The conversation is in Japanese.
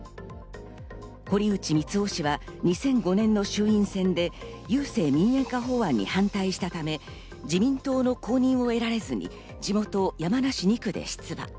堀内光雄氏は２００５年の衆院選で郵政民営化法案に反対したため自民党の公認を得られずに地元・山梨２区で出馬。